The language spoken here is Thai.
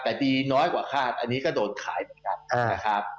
แต่ดีน้อยกว่าคาดอันนี้ก็โดนขายเหมือนกันนะครับ